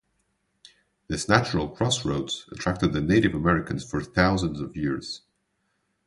This natural crossroads attracted the Native Americans for thousands of years.